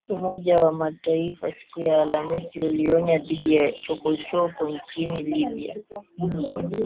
Umoja wa Mataifa siku ya Alhamisi ulionya dhidi ya chokochoko nchini Libya